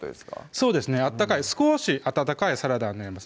そうですね少し温かいサラダになります